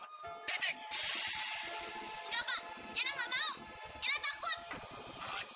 kamu mau kamu sakit seumur hidup